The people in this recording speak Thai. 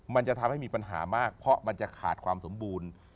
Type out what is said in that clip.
มันจะทำให้มีปัญหามากเพราะมันจะขาดความสมบูรณ์